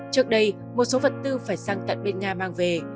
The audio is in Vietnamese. trước đây một số vật tư phải sang tận bên nga mang về